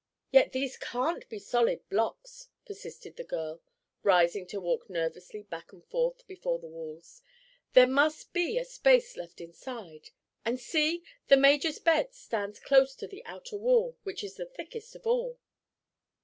"Yet these can't be solid blocks," persisted the girl, rising to walk nervously back and forth before the walls. "There must be a space left inside. And see! the major's bed stands close to the outer wall, which is the thickest of all."